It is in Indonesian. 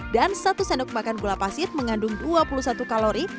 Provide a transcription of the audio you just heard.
dan satu sendok makan gula pasir mengandung dua puluh satu kalori